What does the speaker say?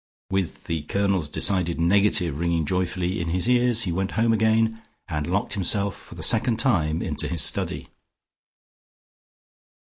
With the Colonel's decided negative ringing joyfully in his ears, he went home again, and locked himself for the second time into his study.